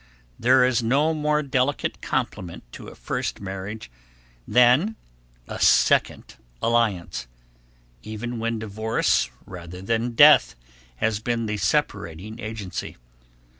There is no more delicate compliment to a first marriage than a second alliance, even when divorce, rather than death, has been the separating agency.